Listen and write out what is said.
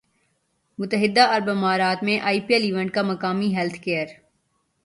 متحدہ عرب امارات میں آئی پی ایل ایونٹ کا مقامی ہیلتھ کیئر